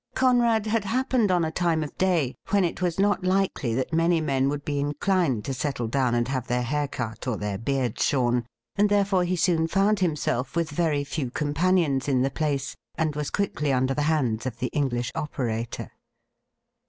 Conrad had happened on a time of day when it was not likely that many men would be inclined to settle down and have their hair cut or their beards shorn, and therefore he soon foynd MR. MARMADUKE COFFIN 73 himself with very few companions in the place, and was quickly under the hands of the English operator.